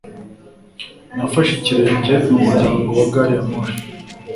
Nafashe ikirenge mu muryango wa gari ya moshi.